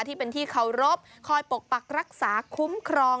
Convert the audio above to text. ที่เป็นที่เคารพคอยปกปักรักษาคุ้มครอง